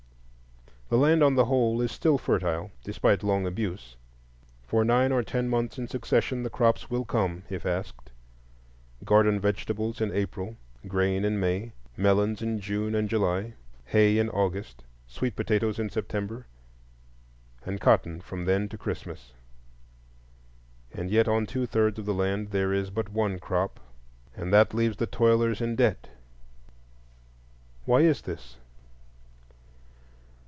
The land on the whole is still fertile, despite long abuse. For nine or ten months in succession the crops will come if asked: garden vegetables in April, grain in May, melons in June and July, hay in August, sweet potatoes in September, and cotton from then to Christmas. And yet on two thirds of the land there is but one crop, and that leaves the toilers in debt. Why is this?